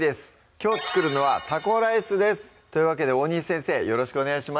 きょう作るのは「タコライス」ですというわけで大西先生よろしくお願いします